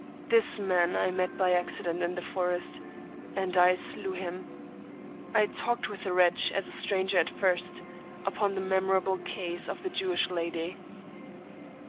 This man I met by accident in the forest; and I slew him. I talked with the wretch, as a stranger at first, upon the memorable case of the Jewish lady.